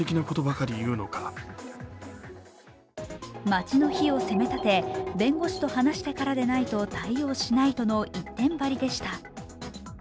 町の非を責め立て、弁護士と話してからでないと対応しないとの一点張りでした。